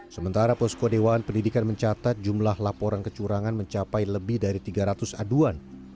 sementara posko dewan pendidikan mencatat jumlah laporan kecurangan mencapai lebih dari tiga ratus aduan